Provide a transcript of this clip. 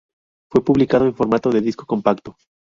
Fue publicado en formato de disco compacto.